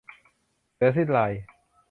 เสือสิ้นลาย